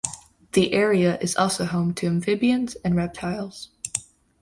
The area is also home to amphibians and reptiles.